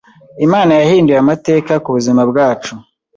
Imana yahinduye amateka ku buzima bwacu